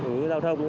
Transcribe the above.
ứu giao thông